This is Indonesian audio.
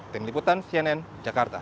tim liputan cnn jakarta